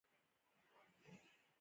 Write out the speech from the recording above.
ما د هغې سوله ييزه سندره تل په ياد ده